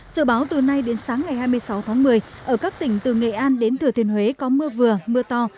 dự báo từ nay đến sáng ngày hai mươi sáu tháng một mươi ở các tỉnh từ nghệ an đến thừa thiên huế có mưa vừa mưa to